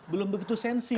belum begitu sensibel